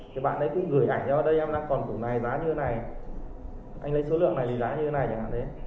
thì bạn ấy cũng gửi ảnh cho đây em đang còn củ này giá như này anh lấy số lượng này thì giá như này nhỉ